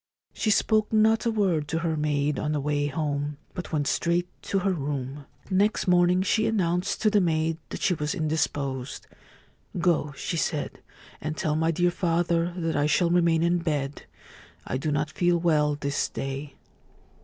She spoke not a word to her maid on the way home, but went straight to her room. Next morning she announced to the maid that she was indisposed. ' Go,' she said, ' and tell my dear father that I shall remain in bed. I do not feel well this day.'